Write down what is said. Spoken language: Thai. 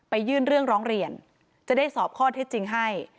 ยื่นเรื่องร้องเรียนจะได้สอบข้อเท็จจริงให้